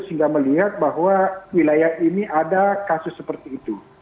sehingga melihat bahwa wilayah ini ada kasus seperti itu